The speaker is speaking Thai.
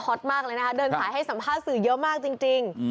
ตมากเลยนะคะเดินสายให้สัมภาษณ์สื่อเยอะมากจริง